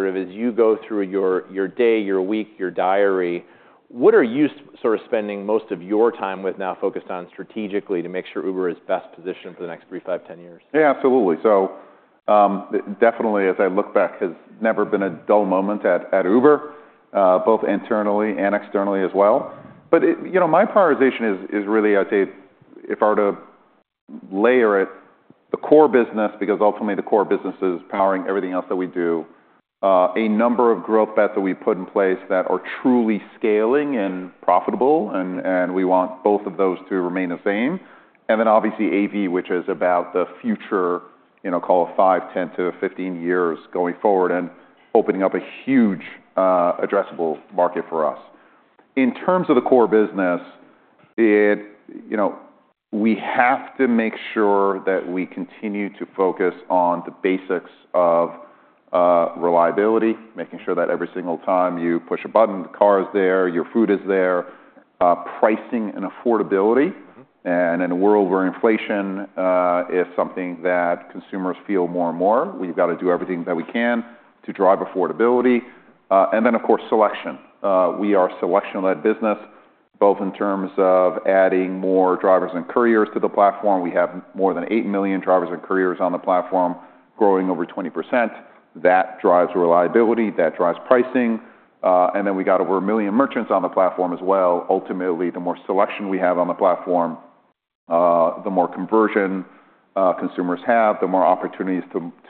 Sort of as you go through your day, your week, your diary, what are you sort of spending most of your time with now focused on strategically to make sure Uber is best positioned for the next three, five, 10 years? Yeah, absolutely. So definitely, as I look back, has never been a dull moment at Uber, both internally and externally as well. But my prioritization is really, I'd say, if I were to layer it, the core business, because ultimately the core business is powering everything else that we do, a number of growth bets that we've put in place that are truly scaling and profitable, and we want both of those to remain the same. And then obviously AV, which is about the future, call it five, 10 to 15 years going forward, and opening up a huge addressable market for us. In terms of the core business, we have to make sure that we continue to focus on the basics of reliability, making sure that every single time you push a button, the car is there, your food is there, pricing and affordability. And in a world where inflation is something that consumers feel more and more, we've got to do everything that we can to drive affordability. And then, of course, selection. We are a selection-led business, both in terms of adding more drivers and couriers to the platform. We have more than 8 million drivers and couriers on the platform, growing over 20%. That drives reliability. That drives pricing. And then we've got over a million merchants on the platform as well. Ultimately, the more selection we have on the platform, the more conversion consumers have, the more opportunities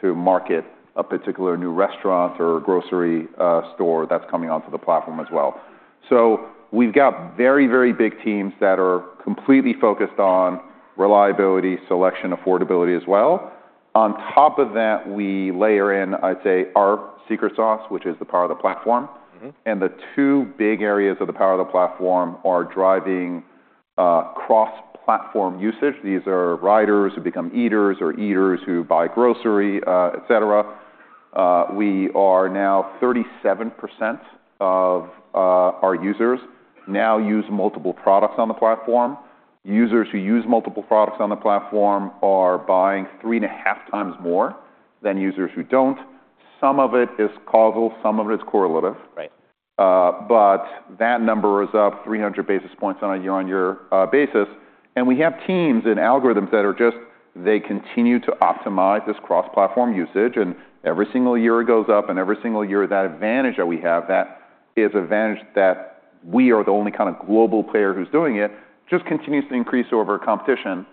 to market a particular new restaurant or grocery store that's coming onto the platform as well. So we've got very, very big teams that are completely focused on reliability, selection, affordability as well. On top of that, we layer in, I'd say, our secret sauce, which is the power of the platform. The two big areas of the power of the platform are driving cross-platform usage. These are riders who become eaters or eaters who buy grocery, etc. We are now 37% of our users use multiple products on the platform. Users who use multiple products on the platform are buying three and a half times more than users who don't. Some of it is causal, some of it is correlative. That number is up 300 basis points on a year-on-year basis. We have teams and algorithms that are just, they continue to optimize this cross-platform usage. Every single year it goes up, and every single year that advantage that we have, that is advantage that we are the only kind of global player who's doing it, just continues to increase over competition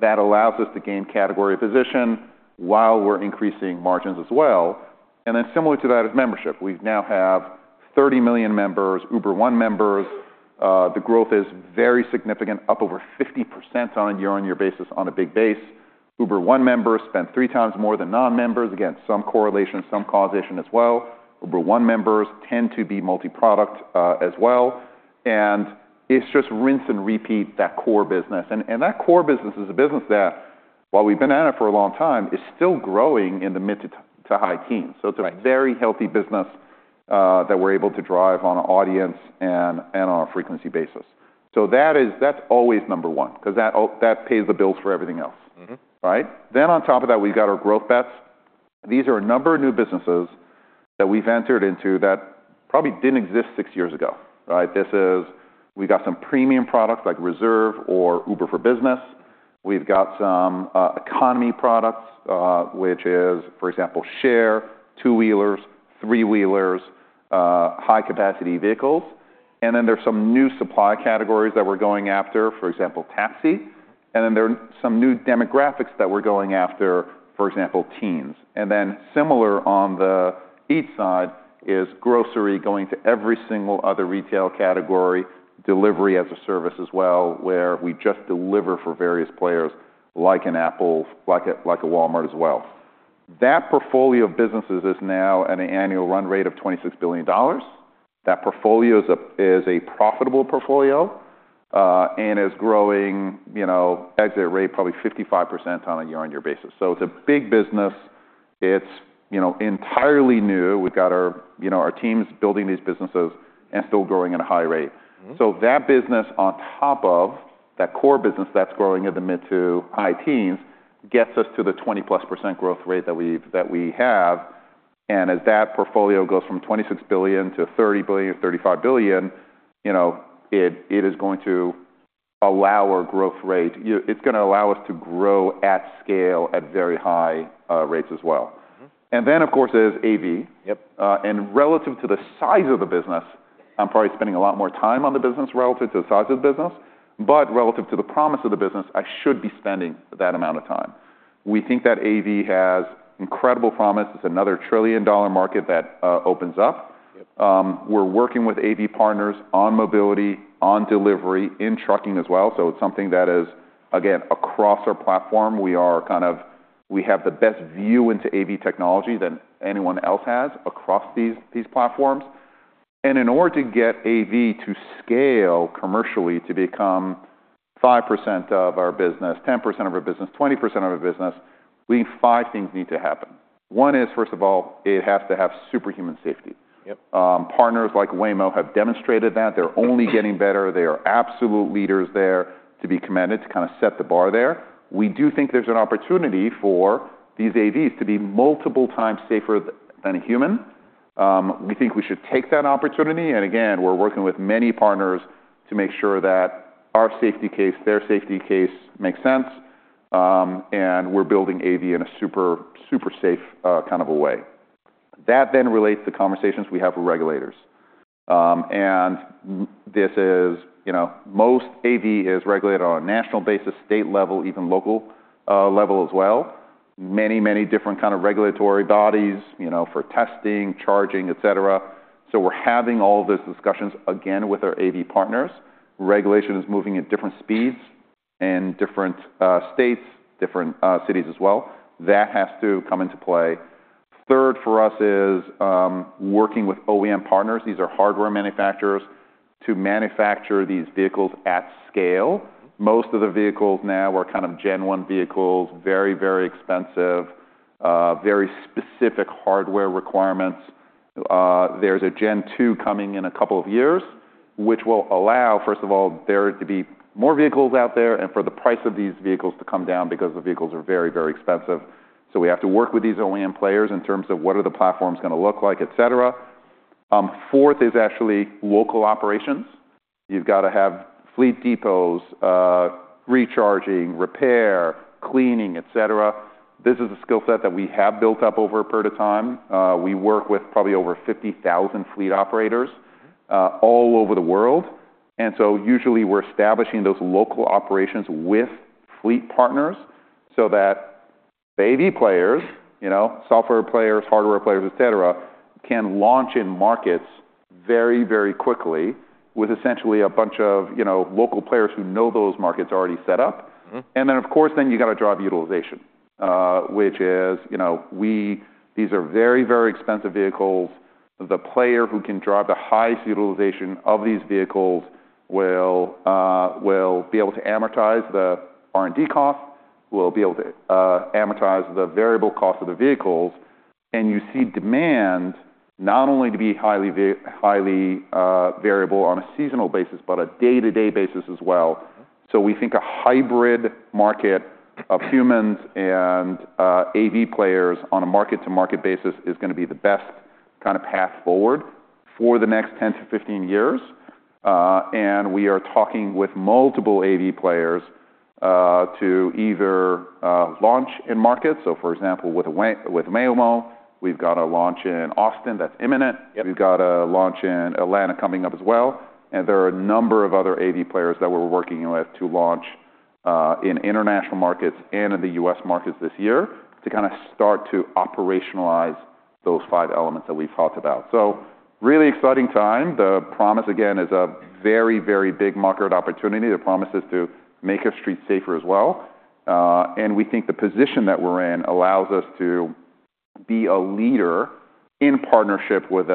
that allows us to gain category position while we're increasing margins as well. Then similar to that is membership. We now have 30 million members, Uber One members. The growth is very significant, up over 50% on a year-on-year basis on a big base. Uber One members spend 3x more than non-members. Again, some correlation, some causation as well. Uber One members tend to be multi-product as well. It's just rinse and repeat that core business. That core business is a business that, while we've been at it for a long time, is still growing in the mid to high teens. It's a very healthy business that we're able to drive on an audience and on a frequency basis. That's always number one because that pays the bills for everything else. Right? On top of that, we've got our growth bets. These are a number of new businesses that we've entered into that probably didn't exist six years ago. This is, we've got some premium products like Reserve or Uber for Business. We've got some economy products, which is, for example, Share, two-wheelers, three-wheelers, high-capacity vehicles. And then there's some new supply categories that we're going after, for example, taxi. And then there are some new demographics that we're going after, for example, Teens. And then similar on the Eats side is grocery going to every single other retail category, Delivery as a Service as well, where we just deliver for various players like an Apple, like a Walmart as well. That portfolio of businesses is now at an annual run rate of $26 billion. That portfolio is a profitable portfolio and is growing exit rate probably 55% on a year-on-year basis. So it's a big business. It's entirely new. We've got our teams building these businesses and still growing at a high rate, so that business on top of that core business that's growing in the mid- to high-teens gets us to the +20% growth rate that we have. And as that portfolio goes from $26 billion to $30 billion or $35 billion, it is going to allow our growth rate. It's going to allow us to grow at scale at very high rates as well, and then, of course, there's AV. And relative to the size of the business, I'm probably spending a lot more time on the business relative to the size of the business, but relative to the promise of the business, I should be spending that amount of time. We think that AV has incredible promise. It's another $1 trillion market that opens up. We're working with AV partners on mobility, on delivery, in trucking as well. So it's something that is, again, across our platform. We have the best view into AV technology than anyone else has across these platforms. And in order to get AV to scale commercially to become 5% of our business, 10% of our business, 20% of our business, we think five things need to happen. One is, first of all, it has to have superhuman safety. Partners like Waymo have demonstrated that. They're only getting better. They are absolute leaders there to be commended to kind of set the bar there. We do think there's an opportunity for these AVs to be multiple times safer than a human. We think we should take that opportunity. And again, we're working with many partners to make sure that our safety case, their safety case makes sense. We're building AV in a super safe kind of a way. That then relates to conversations we have with regulators. Most AV is regulated on a national basis, state level, even local level as well. Many, many different kinds of regulatory bodies for testing, charging, etc. We're having all of these discussions again with our AV partners. Regulation is moving at different speeds in different states, different cities as well. That has to come into play. Third for us is working with OEM partners. These are hardware manufacturers to manufacture these vehicles at scale. Most of the vehicles now are kind of Gen 1 vehicles, very, very expensive, very specific hardware requirements. There's a Gen 2 coming in a couple of years, which will allow, first of all, there to be more vehicles out there and for the price of these vehicles to come down because the vehicles are very, very expensive. So we have to work with these OEM players in terms of what are the platforms going to look like, etc. Fourth is actually local operations. You've got to have fleet depots, recharging, repair, cleaning, etc. This is a skill set that we have built up over a period of time. We work with probably over 50,000 fleet operators all over the world. And so usually we're establishing those local operations with fleet partners so that the AV players, software players, hardware players, etc., can launch in markets very, very quickly with essentially a bunch of local players who know those markets already set up. And then, of course, then you've got to drive utilization, which is these are very, very expensive vehicles. The player who can drive the highest utilization of these vehicles will be able to amortize the R&D cost, will be able to amortize the variable cost of the vehicles. And you see demand not only to be highly variable on a seasonal basis, but a day-to-day basis as well. So we think a hybrid market of humans and AV players on a market-to-market basis is going to be the best kind of path forward for the next 10 to 15 years. And we are talking with multiple AV players to either launch in markets. So, for example, with Waymo, we've got a launch in Austin that's imminent. We've got a launch in Atlanta coming up as well. And there are a number of other AV players that we're working with to launch in international markets and in the U.S. markets this year to kind of start to operationalize those five elements that we've talked about. So really exciting time. The promise, again, is a very, very big market opportunity. The promise is to make our streets safer as well. And we think the position that we're in allows us to be a leader in partnership with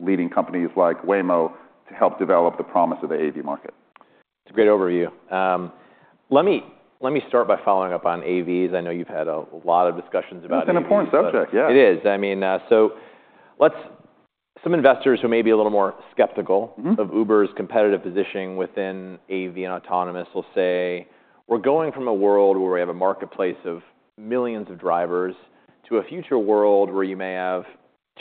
leading companies like Waymo to help develop the promise of the AV market. It's a great overview. Let me start by following up on AVs. I know you've had a lot of discussions about AV. It's an important subject. Yeah. It is. I mean, so some investors who may be a little more skeptical of Uber's competitive positioning within AV and autonomous will say, "We're going from a world where we have a marketplace of millions of drivers to a future world where you may have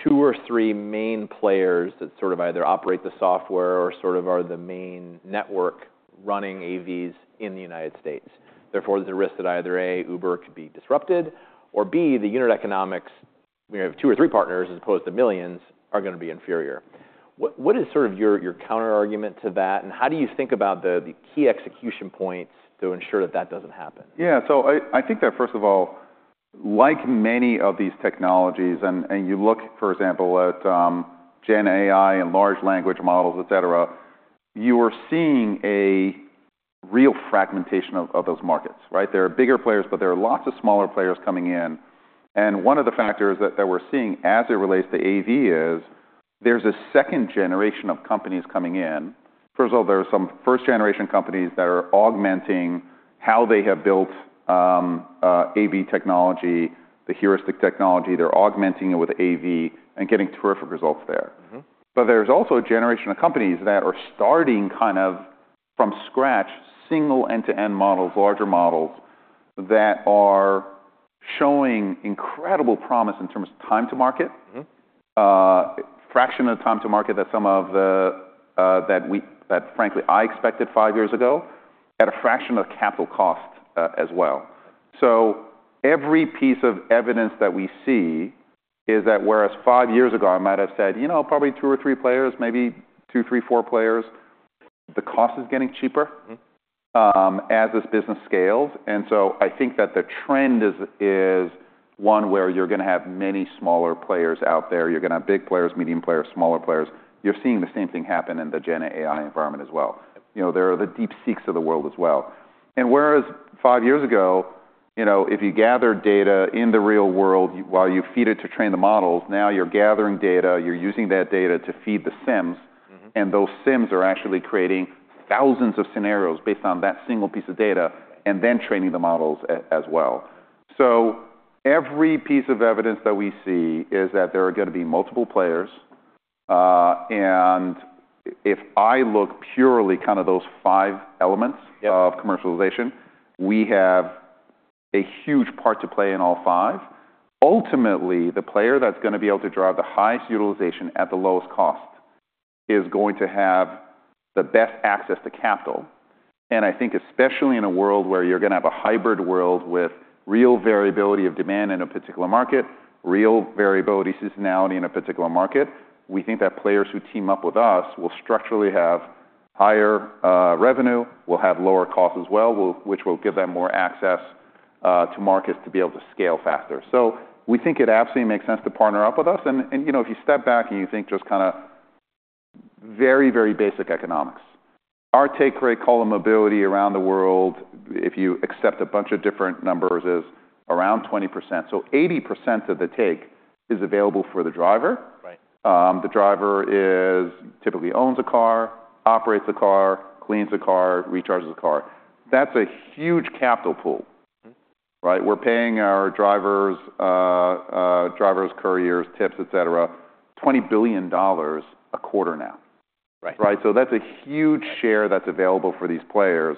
two or three main players that sort of either operate the software or sort of are the main network running AVs in the United States. Therefore, there's a risk that either A, Uber could be disrupted, or B, the unit economics, we have two or three partners as opposed to millions, are going to be inferior." What is sort of your counterargument to that? And how do you think about the key execution points to ensure that that doesn't happen? Yeah. So I think that, first of all, like many of these technologies, and you look, for example, at Gen AI and large language models, etc., you are seeing a real fragmentation of those markets. There are bigger players, but there are lots of smaller players coming in. And one of the factors that we're seeing as it relates to AV is there's a second generation of companies coming in. First of all, there are some first-generation companies that are augmenting how they have built AV technology, the heuristic technology. They're augmenting it with AV and getting terrific results there. But there's also a generation of companies that are starting kind of from scratch, single end-to-end models, larger models that are showing incredible promise in terms of time to market, a fraction of the time to market that some of the, frankly, I expected five years ago at a fraction of capital cost as well. So every piece of evidence that we see is that whereas five years ago, I might have said, you know, probably two or three players, maybe two, three, four players, the cost is getting cheaper as this business scales. And so I think that the trend is one where you're going to have many smaller players out there. You're going to have big players, medium players, smaller players. You're seeing the same thing happen in the Gen AI environment as well. There are the DeepSeeks of the world as well. Whereas five years ago, if you gather data in the real world while you feed it to train the models, now you're gathering data. You're using that data to feed the sims. Those sims are actually creating thousands of scenarios based on that single piece of data and then training the models as well. Every piece of evidence that we see is that there are going to be multiple players. If I look purely kind of those five elements of commercialization, we have a huge part to play in all five. Ultimately, the player that's going to be able to drive the highest utilization at the lowest cost is going to have the best access to capital. And I think especially in a world where you're going to have a hybrid world with real variability of demand in a particular market, real variability seasonality in a particular market, we think that players who team up with us will structurally have higher revenue, will have lower costs as well, which will give them more access to markets to be able to scale faster. So we think it absolutely makes sense to partner up with us. And if you step back and you think just kind of very, very basic economics, our take rate call of mobility around the world, if you accept a bunch of different numbers, is around 20%. So 80% of the take is available for the driver. The driver typically owns a car, operates a car, cleans a car, recharges a car. That's a huge capital pool. We're paying our drivers, couriers, tips, etc., $20 billion a quarter now. So that's a huge share that's available for these players.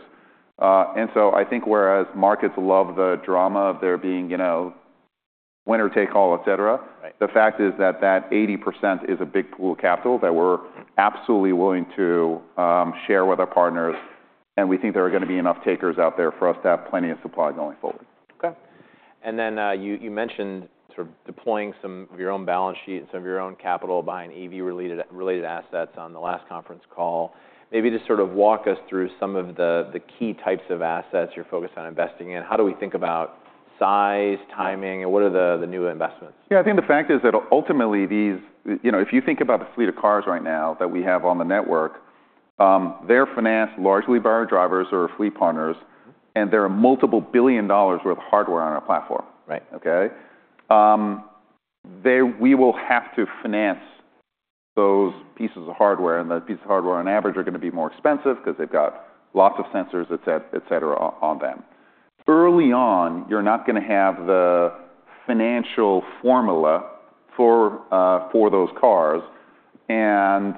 And so I think whereas markets love the drama of there being winner take all, etc., the fact is that that 80% is a big pool of capital that we're absolutely willing to share with our partners. And we think there are going to be enough takers out there for us to have plenty of supply going forward. Okay. And then you mentioned sort of deploying some of your own balance sheet and some of your own capital buying AV-related assets on the last conference call. Maybe just sort of walk us through some of the key types of assets you're focused on investing in. How do we think about size, timing, and what are the new investments? Yeah. I think the fact is that ultimately these, if you think about the fleet of cars right now that we have on the network, they're financed largely by our drivers or fleet partners, and there are multiple billion dollars worth of hardware on our platform. We will have to finance those pieces of hardware, and those pieces of hardware on average are going to be more expensive because they've got lots of sensors, etc., on them. Early on, you're not going to have the financial formula for those cars, and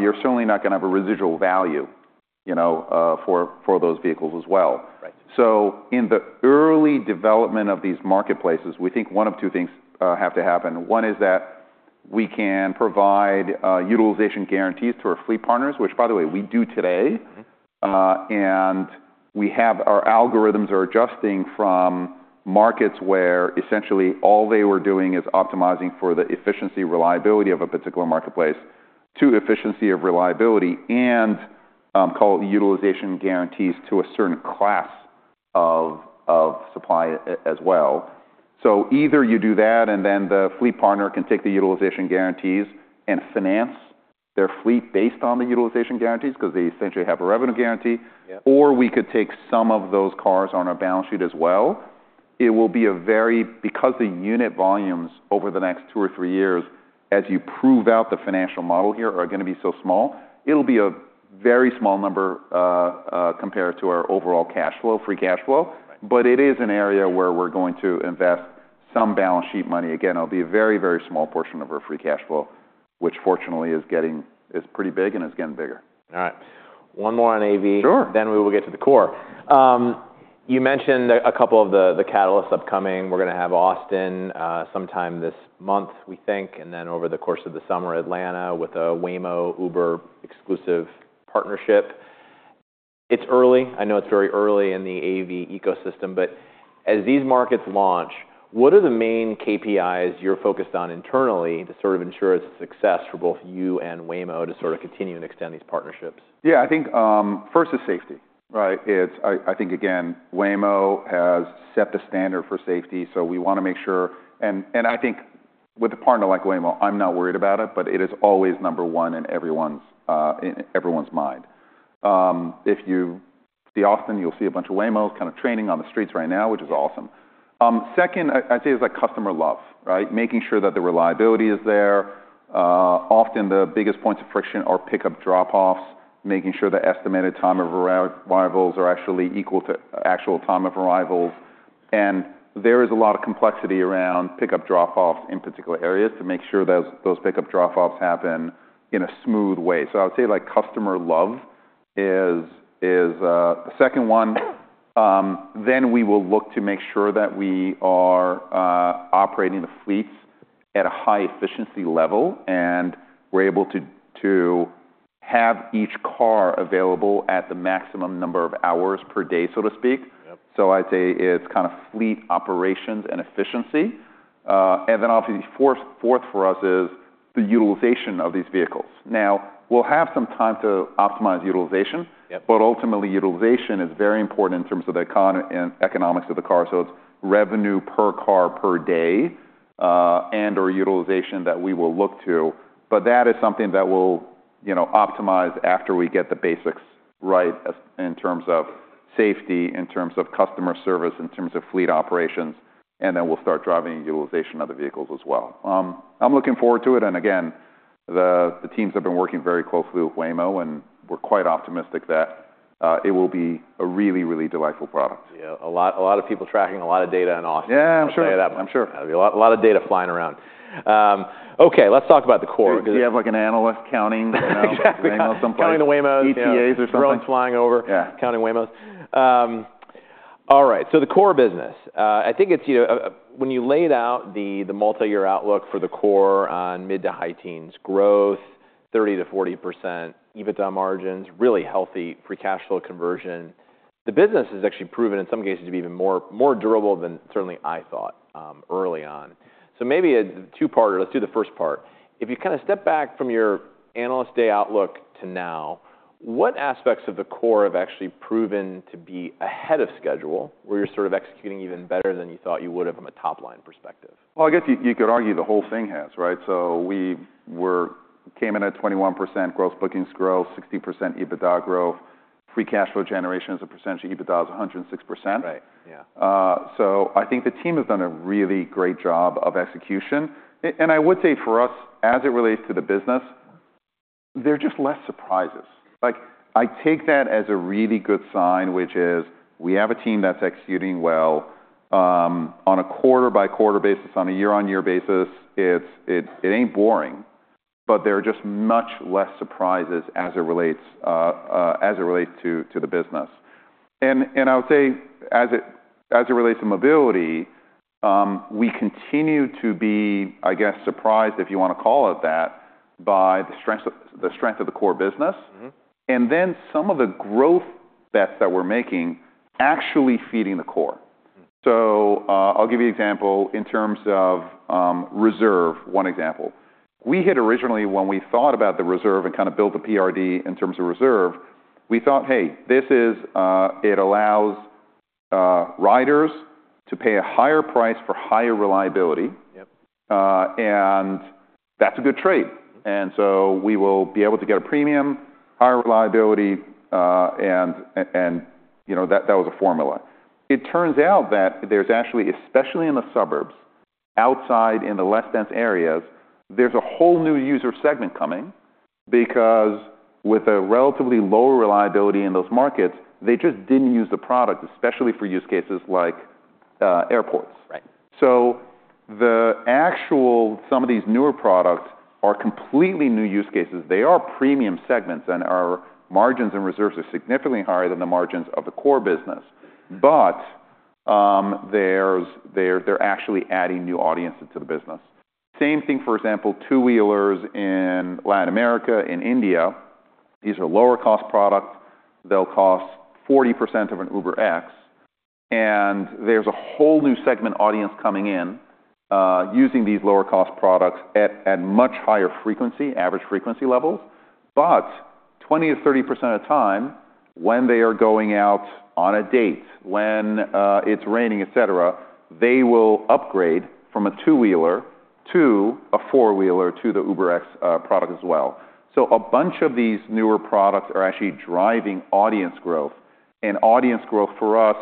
you're certainly not going to have a residual value for those vehicles as well, so in the early development of these marketplaces, we think one of two things have to happen. One is that we can provide utilization guarantees to our fleet partners, which, by the way, we do today. Our algorithms are adjusting from markets where essentially all they were doing is optimizing for the efficiency, reliability of a particular marketplace to efficiency of reliability and call it utilization guarantees to a certain class of supply as well, so either you do that and then the fleet partner can take the utilization guarantees and finance their fleet based on the utilization guarantees because they essentially have a revenue guarantee, or we could take some of those cars on our balance sheet as well. It will be a very, because the unit volumes over the next two or three years, as you prove out the financial model here, are going to be so small, it'll be a very small number compared to our overall cash flow, free cash flow, but it is an area where we're going to invest some balance sheet money. Again, it'll be a very, very small portion of our free cash flow, which fortunately is pretty big and is getting bigger. All right. One more on AV. Sure. Then we will get to the core. You mentioned a couple of the catalysts upcoming. We're going to have Austin sometime this month, we think, and then over the course of the summer, Atlanta with a Waymo Uber exclusive partnership. It's early. I know it's very early in the AV ecosystem. But as these markets launch, what are the main KPIs you're focused on internally to sort of ensure it's a success for both you and Waymo to sort of continue and extend these partnerships? Yeah. I think first is safety. I think, again, Waymo has set the standard for safety. So we want to make sure. And I think with a partner like Waymo, I'm not worried about it, but it is always number one in everyone's mind. If you see Austin, you'll see a bunch of Waymos kind of training on the streets right now, which is awesome. Second, I'd say it's like customer love, making sure that the reliability is there. Often the biggest points of friction are pickup drop-offs, making sure the estimated time of arrivals are actually equal to actual time of arrivals. And there is a lot of complexity around pickup drop-offs in particular areas to make sure those pickup drop-offs happen in a smooth way. So I would say customer love is the second one. Then we will look to make sure that we are operating the fleets at a high efficiency level and we're able to have each car available at the maximum number of hours per day, so to speak. So I'd say it's kind of fleet operations and efficiency. And then obviously fourth for us is the utilization of these vehicles. Now, we'll have some time to optimize utilization, but ultimately utilization is very important in terms of the economics of the car. So it's revenue per car per day and/or utilization that we will look to. But that is something that we'll optimize after we get the basics right in terms of safety, in terms of customer service, in terms of fleet operations. And then we'll start driving utilization of the vehicles as well. I'm looking forward to it. Again, the teams have been working very closely with Waymo, and we're quite optimistic that it will be a really, really delightful product. Yeah. A lot of people tracking a lot of data in Austin. Yeah, I'm sure. I'm sure. A lot of data flying around. Okay. Let's talk about the core. You have like an analyst counting. Exactly. Counting the Waymos. ETAs or something. Flying over, counting Waymos. All right. So the core business, I think, when you laid out the multi-year outlook for the core on mid- to high-teens growth, 30%-40% EBITDA margins, really healthy free cash flow conversion. The business has actually proven in some cases to be even more durable than certainly I thought early on. So maybe a two-parter, let's do the first part. If you kind of step back from your analyst day outlook to now, what aspects of the core have actually proven to be ahead of schedule where you're sort of executing even better than you thought you would have from a top-line perspective? Well, I guess you could argue the whole thing has. So we came in at 21% gross bookings growth, 60% EBITDA growth, free cash flow generation as a percentage, EBITDA is 106%. I think the team has done a really great job of execution. I would say for us, as it relates to the business, there are just less surprises. I take that as a really good sign, which is we have a team that's executing well on a quarter-by-quarter basis, on a year-on-year basis. It ain't boring, but there are just much less surprises as it relates to the business. I would say as it relates to mobility, we continue to be, I guess, surprised, if you want to call it that, by the strength of the core business. Then some of the growth bets that we're making actually feeding the core. I'll give you an example in terms of reserve, one example. We had originally, when we thought about the reserve and kind of built the PRD in terms of reserve, we thought, hey, this allows riders to pay a higher price for higher reliability. And that's a good trade. And so we will be able to get a premium, higher reliability. And that was a formula. It turns out that there's actually, especially in the suburbs, outside in the less dense areas, there's a whole new user segment coming because with a relatively lower reliability in those markets, they just didn't use the product, especially for use cases like airports. So some of these newer products are completely new use cases. They are premium segments, and our margins and reserves are significantly higher than the margins of the core business. But they're actually adding new audiences to the business. Same thing, for example, two-wheelers in Latin America, in India. These are lower-cost products. They'll cost 40% of an UberX, and there's a whole new segment audience coming in using these lower-cost products at much higher frequency, average frequency levels, but 20%-30% of the time when they are going out on a date, when it's raining, etc., they will upgrade from a two-wheeler to a four-wheeler to the UberX product as well, so a bunch of these newer products are actually driving audience growth, and audience growth for us,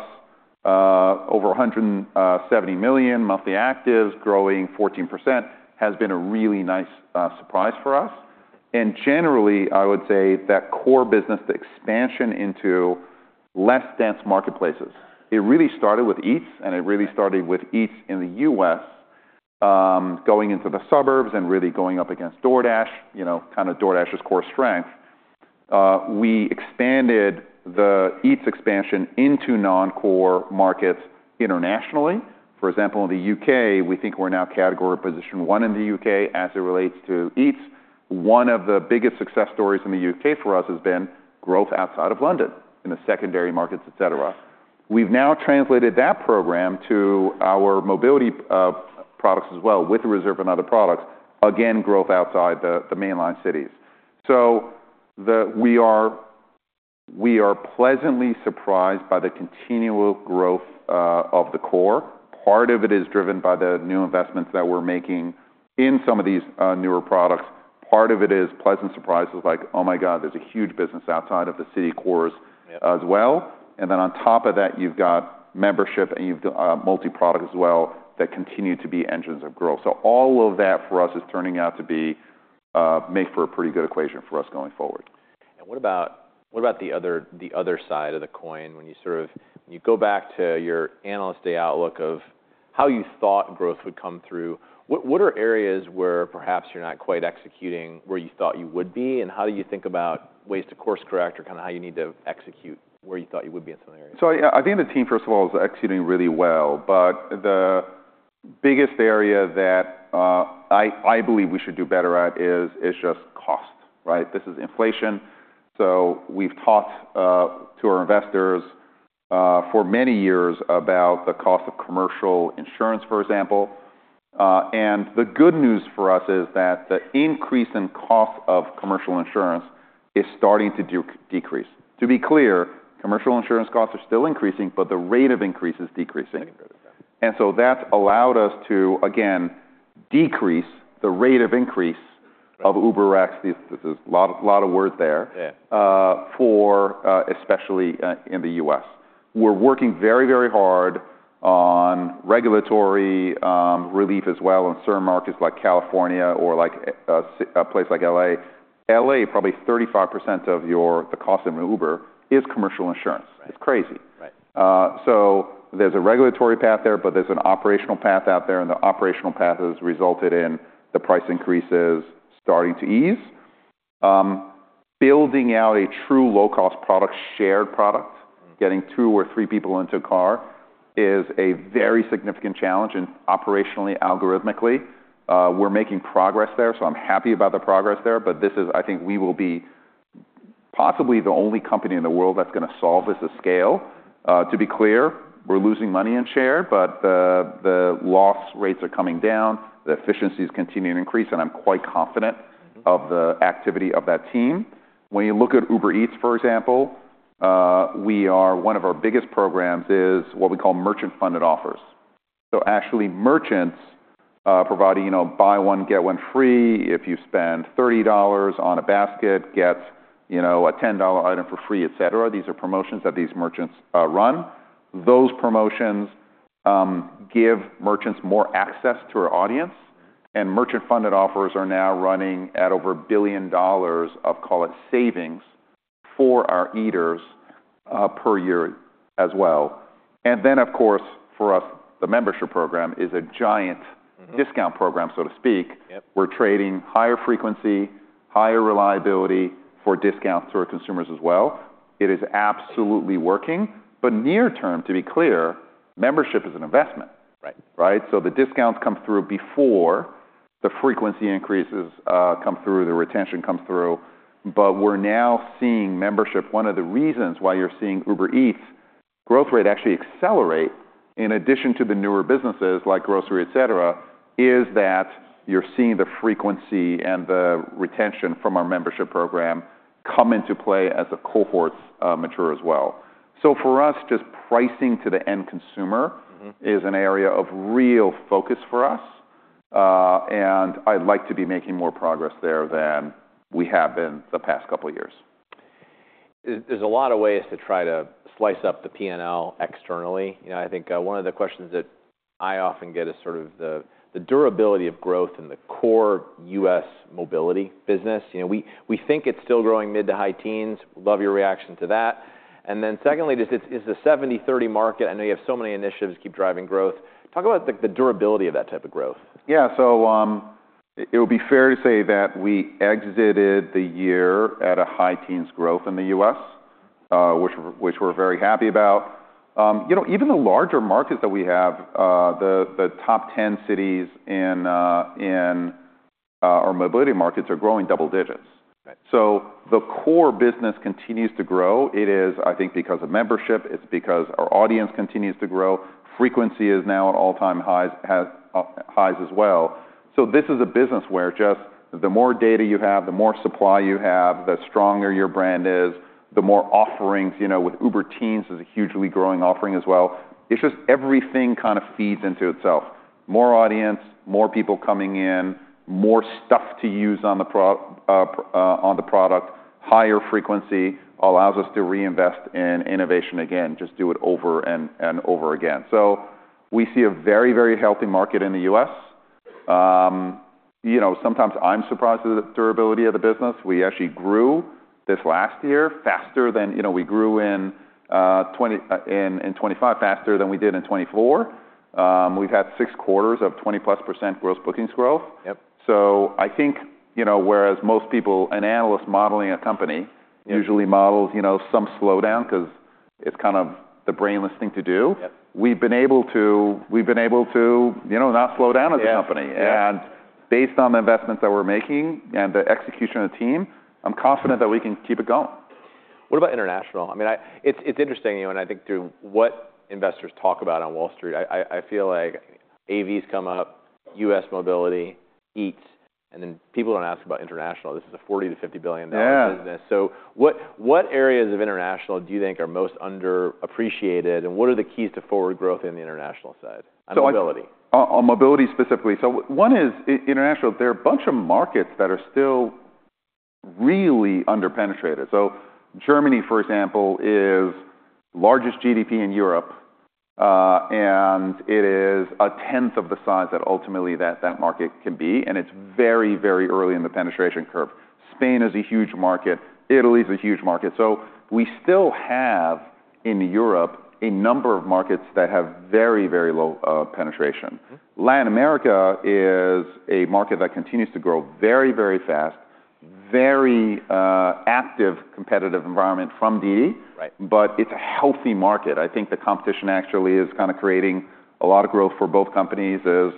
over 170 million monthly actives, growing 14%, has been a really nice surprise for us, and generally, I would say that core business, the expansion into less dense marketplaces, it really started with Eats, and it really started with Eats in the U.S., going into the suburbs and really going up against DoorDash, kind of DoorDash's core strength. We expanded the Eats expansion into non-core markets internationally. For example, in the U.K., we think we're now category position one in the U.K. as it relates to Eats. One of the biggest success stories in the U.K. for us has been growth outside of London in the secondary markets, etc. We've now translated that program to our mobility products as well with the Reserve and other products. Again, growth outside the mainline cities, so we are pleasantly surprised by the continual growth of the core. Part of it is driven by the new investments that we're making in some of these newer products. Part of it is pleasant surprises like, oh my God, there's a huge business outside of the city cores as well. And then on top of that, you've got membership and you've got multi-product as well that continue to be engines of growth. So all of that for us is turning out to make for a pretty good equation for us going forward. What about the other side of the coin? When you sort of go back to your Analyst Day outlook of how you thought growth would come through, what are areas where perhaps you're not quite executing where you thought you would be? How do you think about ways to course correct or kind of how you need to execute where you thought you would be in some areas? So I think the team, first of all, is executing really well. But the biggest area that I believe we should do better at is just cost. This is inflation. So we've taught to our investors for many years about the cost of commercial insurance, for example. And the good news for us is that the increase in cost of commercial insurance is starting to decrease. To be clear, commercial insurance costs are still increasing, but the rate of increase is decreasing. And so that's allowed us to, again, decrease the rate of increase of UberX. This is a lot of words there, especially in the U.S. We're working very, very hard on regulatory relief as well in certain markets like California or a place like L.A. L.A., probably 35% of the cost of an Uber is commercial insurance. It's crazy. There's a regulatory path there, but there's an operational path out there. The operational path has resulted in the price increases starting to ease. Building out a true low-cost product, Shared product, getting two or three people into a car is a very significant challenge operationally, algorithmically. We're making progress there. I'm happy about the progress there. This is, I think we will be possibly the only company in the world that's going to solve this at scale. To be clear, we're losing money in Share, but the loss rates are coming down. The efficiency is continuing to increase. I'm quite confident of the activity of that team. When you look at Uber Eats, for example, one of our biggest programs is what we call merchant-funded offers. Actually merchants providing buy one, get one free. If you spend $30 on a basket, get a $10 item for free, etc. These are promotions that these merchants run. Those promotions give merchants more access to our audience, and merchant-funded offers are now running at over $1 billion of, call it, savings for our eaters per year as well, and then, of course, for us, the membership program is a giant discount program, so to speak. We're trading higher frequency, higher reliability for discounts to our consumers as well. It is absolutely working, but near term, to be clear, membership is an investment, so the discounts come through before the frequency increases come through, the retention comes through, but we're now seeing membership. One of the reasons why you're seeing Uber Eats growth rate actually accelerate in addition to the newer businesses like grocery, etc., is that you're seeing the frequency and the retention from our membership program come into play as the cohorts mature as well. For us, just pricing to the end consumer is an area of real focus for us. I'd like to be making more progress there than we have in the past couple of years. There's a lot of ways to try to slice up the P&L externally. I think one of the questions that I often get is sort of the durability of growth in the core U.S. mobility business. We think it's still growing mid to high teens. Love your reaction to that. And then secondly, just is the 70/30 market? I know you have so many initiatives keep driving growth. Talk about the durability of that type of growth. Yeah. So it would be fair to say that we exited the year at a high teens growth in the U.S., which we're very happy about. Even the larger markets that we have, the top 10 cities in our mobility markets are growing double digits. So the core business continues to grow. It is, I think, because of membership. It's because our audience continues to grow. Frequency is now at all-time highs as well. So this is a business where just the more data you have, the more supply you have, the stronger your brand is, the more offerings. With Uber Teens is a hugely growing offering as well. It's just everything kind of feeds into itself. More audience, more people coming in, more stuff to use on the product, higher frequency allows us to reinvest in innovation again, just do it over and over again. So we see a very, very healthy market in the U.S. Sometimes I'm surprised at the durability of the business. We actually grew this last year faster than we grew in 2025, faster than we did in 2024. We've had six quarters of +20% Gross Bookings growth. So I think whereas most people and analysts modeling a company usually models some slowdown because it's kind of the brainless thing to do, we've been able to not slow down as a company. And based on the investments that we're making and the execution of the team, I'm confident that we can keep it going. What about international? I mean, it's interesting. And I think through what investors talk about on Wall Street, I feel like AVs come up, U.S mobility, Eats. And then people don't ask about international. This is a $40 billion-$50 billion business. So what areas of international do you think are most underappreciated? And what are the keys to forward growth in the international side? On mobility. On mobility specifically. So one is international, there are a bunch of markets that are still really underpenetrated. So Germany, for example, is the largest GDP in Europe. And it is a tenth of the size that ultimately that market can be. And it's very, very early in the penetration curve. Spain is a huge market. Italy is a huge market. So we still have in Europe a number of markets that have very, very low penetration. Latin America is a market that continues to grow very, very fast, very active competitive environment from DiDi. But it's a healthy market. I think the competition actually is kind of creating a lot of growth for both companies as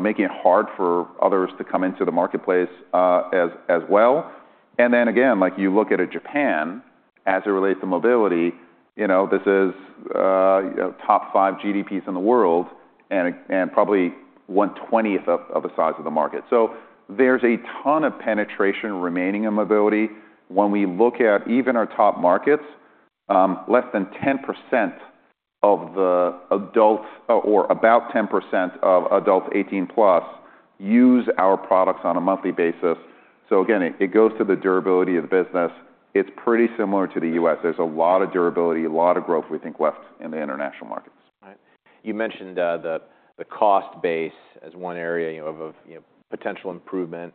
making it hard for others to come into the marketplace as well. And then again, like you look at Japan, as it relates to mobility, this is top five GDPs in the world and probably one-twentieth of the size of the market. So there's a ton of penetration remaining in mobility. When we look at even our top markets, less than 10% of the adults or about 10% of adults 18+ use our products on a monthly basis. So again, it goes to the durability of the business. It's pretty similar to the U.S. There's a lot of durability, a lot of growth we think left in the international markets. You mentioned the cost base as one area of potential improvement.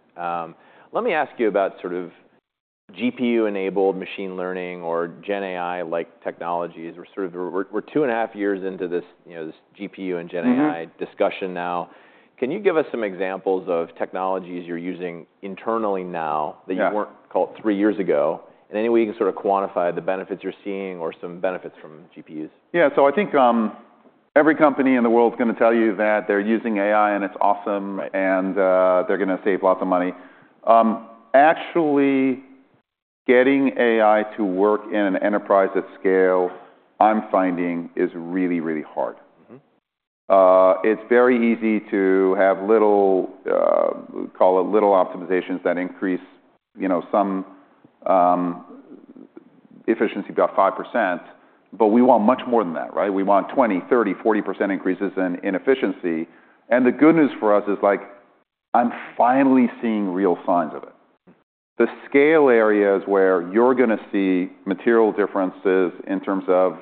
Let me ask you about sort of GPU-enabled machine learning or GenAI-like technologies. We're sort of two and a half years into this GPU and GenAI discussion now. Can you give us some examples of technologies you're using internally now that you weren't, call it three years ago? And any way you can sort of quantify the benefits you're seeing or some benefits from GPUs? Yeah. So I think every company in the world is going to tell you that they're using AI and it's awesome and they're going to save lots of money. Actually getting AI to work in an enterprise at scale, I'm finding is really, really hard. It's very easy to have little, call it little optimizations that increase some efficiency by 5%. But we want much more than that. We want 20%, 30%, 40% increases in efficiency. And the good news for us is like I'm finally seeing real signs of it. The scale areas where you're going to see material differences in terms of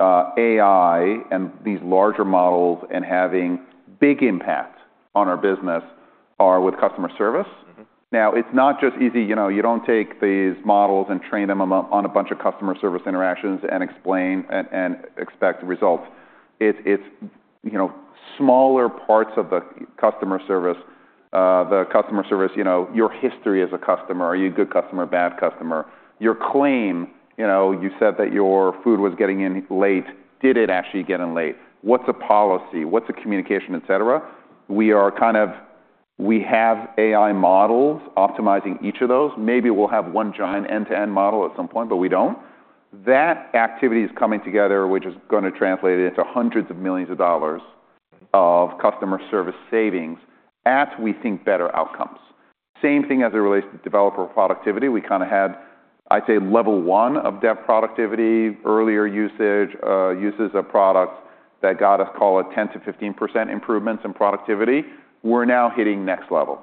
AI and these larger models and having big impact on our business are with customer service. Now, it's not just easy. You don't take these models and train them on a bunch of customer service interactions and expect results. It's smaller parts of the customer service, the customer service, your history as a customer, are you a good customer, bad customer. Your claim, you said that your food was getting in late. Did it actually get in late? What's the policy? What's the communication, etc.? We have AI models optimizing each of those. Maybe we'll have one giant end-to-end model at some point, but we don't. That activity is coming together, which is going to translate into hundreds of millions of dollars of customer service savings at, we think, better outcomes. Same thing as it relates to developer productivity. We kind of had, I'd say, level one of dev productivity, earlier uses of products that got us, call it 10%-15% improvements in productivity. We're now hitting next level.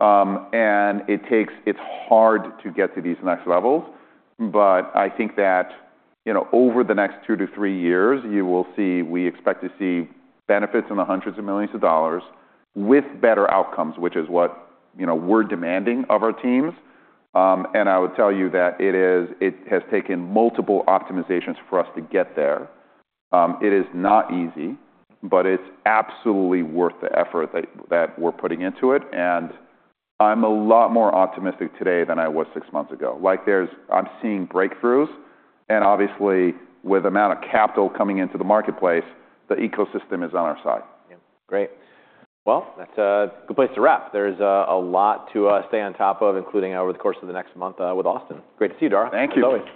And it's hard to get to these next levels. But I think that over the next two to three years, you will see we expect to see benefits in the hundreds of millions of dollars with better outcomes, which is what we're demanding of our teams. And I would tell you that it has taken multiple optimizations for us to get there. It is not easy, but it's absolutely worth the effort that we're putting into it. And I'm a lot more optimistic today than I was six months ago. I'm seeing breakthroughs. And obviously, with the amount of capital coming into the marketplace, the ecosystem is on our side. Great. Well, that's a good place to wrap. There's a lot to stay on top of, including over the course of the next month with Austin. Great to see you, Dara. Thank you.